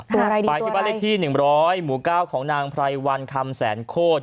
ตัวอะไรดีตัวอะไรปลายที่บ้านเลขที่หนึ่งร้อยหมูก้าวของนางไพรวันคำแสนโคตร